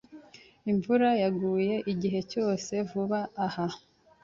Imvura yaguye igihe cyose vuba aha.